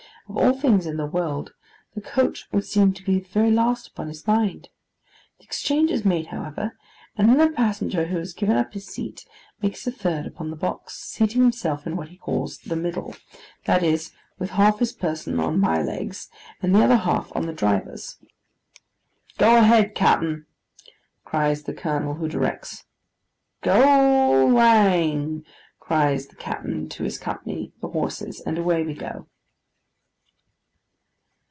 Of all things in the world, the coach would seem to be the very last upon his mind. The exchange is made, however, and then the passenger who has given up his seat makes a third upon the box, seating himself in what he calls the middle; that is, with half his person on my legs, and the other half on the driver's. 'Go a head, cap'en,' cries the colonel, who directs. 'Gŏ lāng!' cries the cap'en to his company, the horses, and away we go.